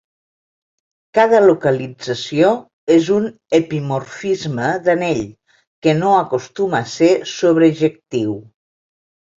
Cada localització és un epimorfisme d'anell, que no acostuma a ser sobrejectiu.